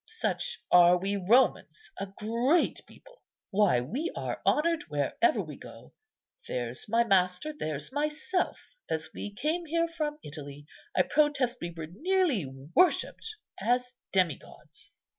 Such are we Romans, a great people. Why, we are honoured wherever we go. There's my master, there's myself; as we came here from Italy, I protest we were nearly worshipped as demi gods."